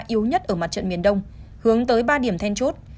yếu nhất ở mặt trận miền đông hướng tới ba điểm then chốt